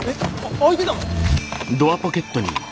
開いてたの？